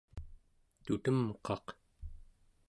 tutemqaq